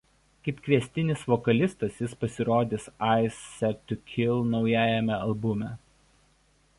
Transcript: Kaip kviestinis vokalistas jis pasirodys Eyes Set To Kill naujajame albume.